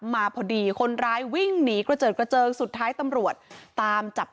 มาพอดีคนร้ายวิ่งหนีกระเจิดกระเจิงสุดท้ายตำรวจตามจับ